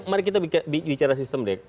mari kita bicara sistem deh